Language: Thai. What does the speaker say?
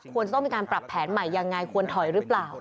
ควรจะต้องมีการปรับแผนใหม่ยังไงควรถอยหรือเปล่า